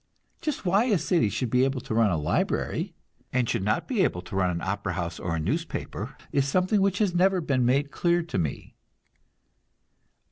Just why a city should be able to run a library, and should not be able to run an opera house, or a newspaper, is something which has never been made clear to me.